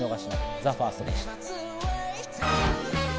ＴＨＥＦＩＲＳＴでした。